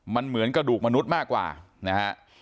มันเหมือนกระดูกมนุษย์มากกว่านะฮะ